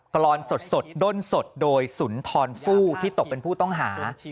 กรอนสดด้นสดโดยสุนทรฟู้ที่ตกเป็นผู้ต้องหา